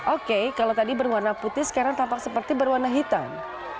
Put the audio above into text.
oke kalau tadi berwarna putih sekarang tampak seperti berwarna hitam